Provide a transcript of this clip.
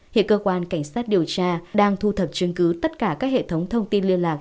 hiện cơ quan cảnh sát điều tra đang thu thập chứng cứ tất cả các hệ thống thông tin liên lạc